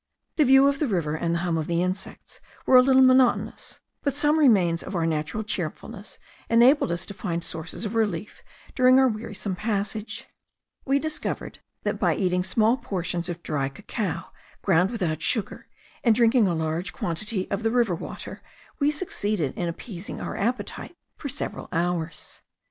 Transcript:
The view of the river, and the hum of the insects, were a little monotonous; but some remains of our natural cheerfulness enabled us to find sources of relief during our wearisome passage. We discovered, that by eating small portions of dry cacao ground without sugar, and drinking a large quantity of the river water, we succeeded in appeasing our appetite for several hours.